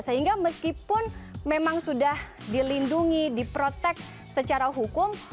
sehingga meskipun memang sudah dilindungi diprotek secara hukum